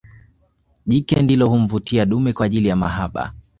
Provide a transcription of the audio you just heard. Jike ndilo humvutia dume kwaajili ya mahaba